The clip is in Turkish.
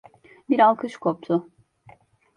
Bir alkış koptu.